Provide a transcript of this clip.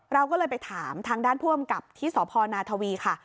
เราก็เลยไปถามทางด้านผู้อำกับที่สพนาทวีค่ะ